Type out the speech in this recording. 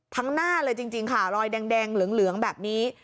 ทั้งหน้าเลยจริงจริงค่ะรอยแดงแดงเหลืองเหลืองแบบนี้